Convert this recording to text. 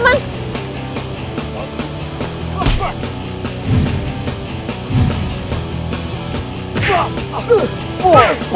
maaf nak ajar tuh